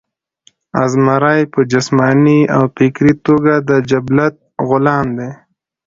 ازمرے پۀ جسماني او فکري توګه د جبلت غلام دے